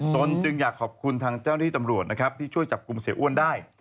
ตนจึงอยากขอบคุณทางเจ้าหน้าที่ตำรวจนะครับที่ช่วยจับกลุ่มเสียอ้วนได้